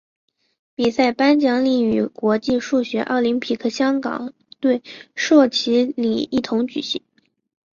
比赛颁奖礼与国际数学奥林匹克香港队授旗礼一同举行。